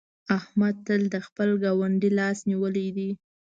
احمد تل د خپل ګاونډي لاس نيولی دی.